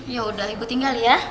yaudah ibu tinggal ya